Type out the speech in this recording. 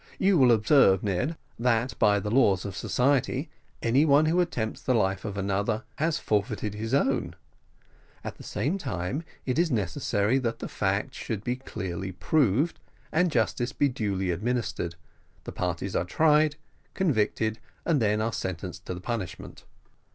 You will observe, Ned, that by the laws of society, any one who attempts the life of another has forfeited his own; at the same time, as it is necessary that the fact should be clearly proved and justice be duly administered, the parties are tried, convicted, and then are sentenced to the punishment."